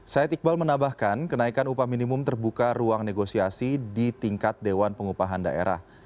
said iqbal menambahkan kenaikan upah minimum terbuka ruang negosiasi di tingkat dewan pengupahan daerah